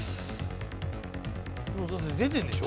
もうだって出てるんでしょ？